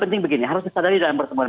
penting begini harus disadari dalam pertemuan